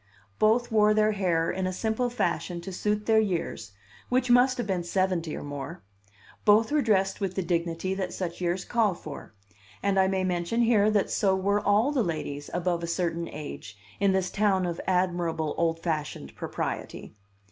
Both wore their hair in a simple fashion to suit their years, which must have been seventy or more; both were dressed with the dignity that such years call for; and I may mention here that so were all the ladies above a certain age in this town of admirable old fashioned propriety.